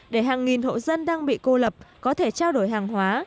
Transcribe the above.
để hàng nghìn hộ dân đang bị cô lập có thể trao đổi hàng hóa